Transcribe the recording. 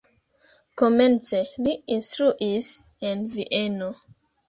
Komence li instruis en Vieno.